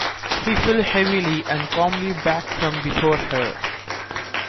He fell heavily and calmly back from before her.